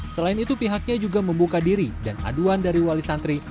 selain itu pihaknya juga membuka diri dan aduan dari wali santri